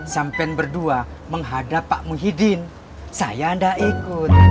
sampen berdua menghadap pak muhyiddin saya anda ikut